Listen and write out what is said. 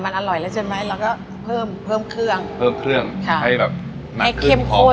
มันอร่อยแล้วใช่ไหมเราก็เพิ่มเพิ่มเครื่องเพิ่มเครื่องค่ะให้แบบให้เข้มข้น